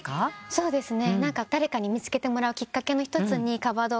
そうですね。